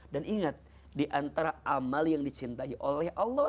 ingat diantara amal yang dicintai oleh allah